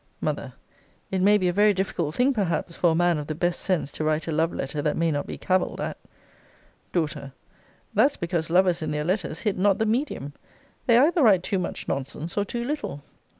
M. It may be a very difficult thing, perhaps, for a man of the best sense to write a love letter that may not be cavilled at. D. That's because lovers in their letters hit not the medium. They either write too much nonsense, or too little.